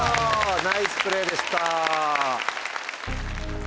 ナイスプレーでした。